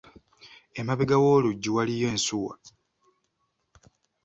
Emabega w’oluggi waliiyo ensuwa.